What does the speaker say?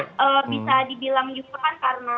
karena bisa dibilang juga kan karena